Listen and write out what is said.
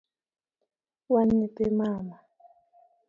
Wan nyithi mama